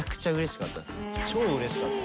超うれしかった。